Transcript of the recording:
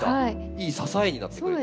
いい支えになってくれて。